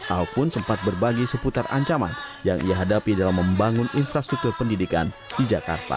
ahok pun sempat berbagi seputar ancaman yang ia hadapi dalam membangun infrastruktur pendidikan di jakarta